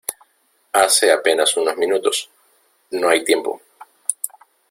hace apenas unos minutos. no hay tiempo .